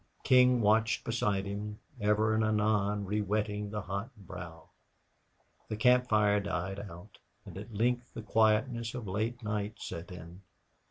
King watched beside him, ever and anon rewetting the hot brow. The camp fire died out, and at length the quietness of late night set in.